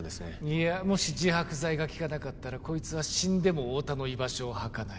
いやもし自白剤が効かなかったらこいつは死んでも太田の居場所を吐かない